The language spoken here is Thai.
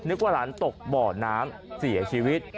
ว่าหลานตกบ่อน้ำเสียชีวิต